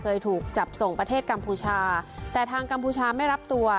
เคยถูกจับส่งประเทศกัมพูชาแต่ทางกัมพูชาไม่รับตัว